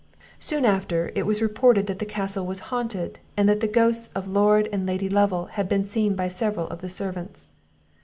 "Soon after, it was reported that the castle was haunted, and that the ghosts of Lord and Lady Lovel had been seen by several of the servants.